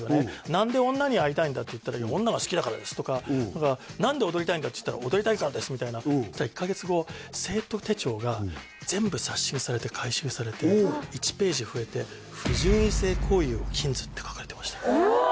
「何で女に会いたいんだ」って言ったら「女が好きだからです」とか「何で踊りたいんだ」って言ったら「踊りたいからです」みたいなそしたら１カ月後生徒手帳が全部刷新されて回収されてって書かれてましたうわ